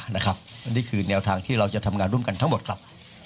อันนี้คือแนวทางที่เราจะทำงานร่วมกันทั้งหมดครับ